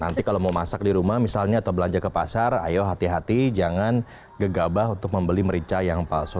nanti kalau mau masak di rumah misalnya atau belanja ke pasar ayo hati hati jangan gegabah untuk membeli merica yang palsu